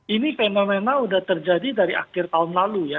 ini fenomena udah terjadi dari akhir tahun lalu ya